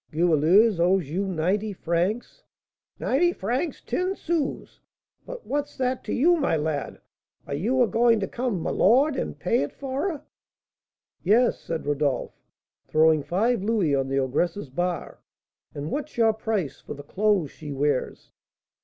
"Goualeuse owes you ninety francs?" "Ninety francs ten sous; but what's that to you, my lad? Are you a going to come 'my lord,' and pay it for her?" "Yes," said Rodolph, throwing five louis on the ogress's bar, "and what's your price for the clothes she wears?"